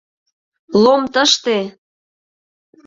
— Лом тыште!